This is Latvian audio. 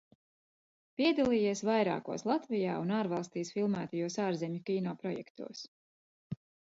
Piedalījies vairākos Latvijā un ārvalstīs filmētajos ārzemju kino projektos.